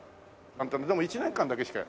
でも１年間だけしか。